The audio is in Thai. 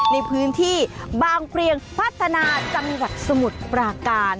ในพื้นที่บางเกลียงพัฒนาจังหวัดสมุทรปราการ